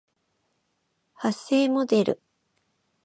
発声モデル